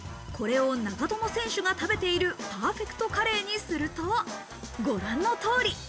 これを長友選手が食べているパーフェクトカレーにすると、ご覧の通り。